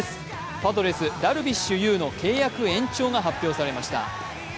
パドレス・ダルビッシュ有の契約延長が発表されました。